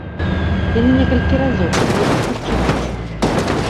Яны некалькі разоў прыходзяць харчавацца.